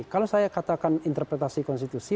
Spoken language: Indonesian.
kalau saya katakan interpretasi konstitusi